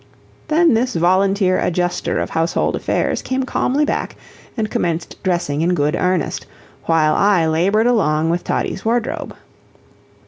Then this volunteer adjuster of household affairs came calmly back and commenced dressing in good earnest, while I labored along with Toddie's wardrobe.